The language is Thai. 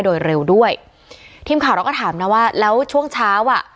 โดยเร็วด้วยทีมข่าวเราก็ถามนะว่าแล้วช่วงเช้าอ่ะ